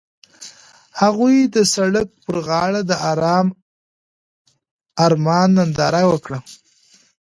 هغوی د سړک پر غاړه د آرام آرمان ننداره وکړه.